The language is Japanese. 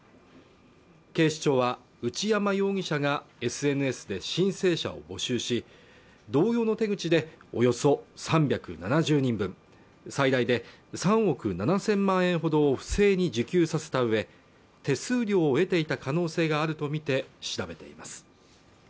警視庁は内山容疑者がＳＮＳで申請者を募集し同様の手口でおよそ３７０人分最大で３億７０００万円ほどを不正に受給させたうえ手数料を得ていた可能性があるとみて調べています